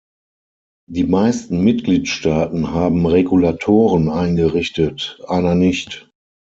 Die meisten Mitgliedstaaten haben Regulatoren eingerichtet, einer nicht.